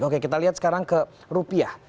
oke kita lihat sekarang ke rupiah